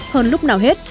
hơn lúc nào hết